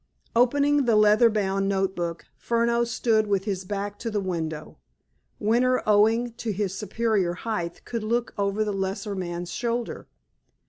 Opening the leather bound note book, Furneaux stood with his back to the window. Winter, owing to his superior height, could look over the lesser man's shoulder.